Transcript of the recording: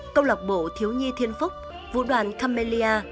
công lạc bộ thiếu nhi thiên phúc vũ đoàn camellia